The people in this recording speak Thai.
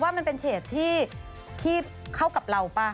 มันเป็นเฉดที่เข้ากับเราป่ะ